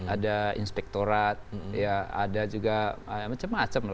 ada inspektorat ada juga macam macam lah